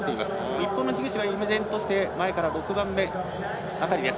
日本の樋口は依然として前から６番目辺りです。